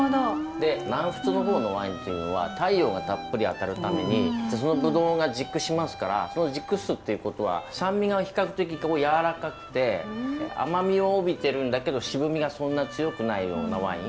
で南仏の方のワインっていうのは太陽がたっぷり当たるためにそのブドウが熟しますからその熟すっていうことは酸味が比較的こうやわらかくて甘みを帯びてるんだけど渋みがそんな強くないようなワイン。